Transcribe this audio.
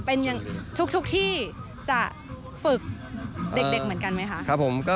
เป็นอย่างทุกที่จะฝึกเด็กเหมือนกันไหมคะ